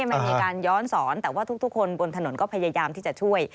มันมีการย้อนสอนแต่ว่าทุกคนบนถนนก็พยายามที่จะช่วย